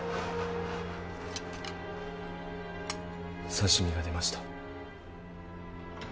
刺身が出ました。